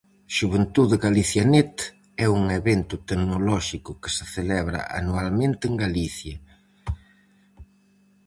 Xuventude Galicia Net é un evento tecnolóxico que se celebra anualmente en Galicia.